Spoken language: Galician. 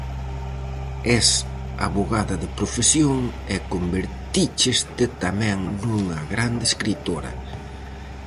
Es avogada de profesión e convertícheste, tamén, nunha grande escritora.